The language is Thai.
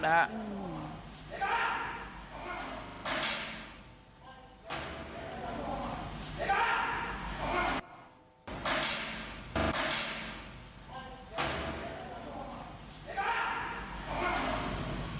คุณก้าวออกมาแล้ว